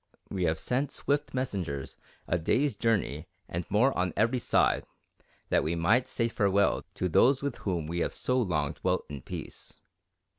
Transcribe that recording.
We have sent swift messengers a day's journey and more on every side, that we might say farewell to those with whom we have so long dwelt in peace.